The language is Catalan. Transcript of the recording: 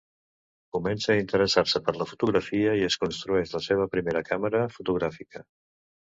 Comença a interessar-se per la fotografia i es construeix la seva primera càmera fotogràfica.